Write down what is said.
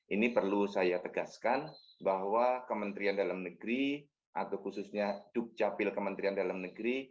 ini perlu saya tegaskan bahwa kementerian dalam negeri atau khususnya dukcapil kementerian dalam negeri